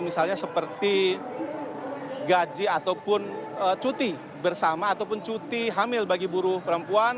misalnya seperti gaji ataupun cuti bersama ataupun cuti hamil bagi buruh perempuan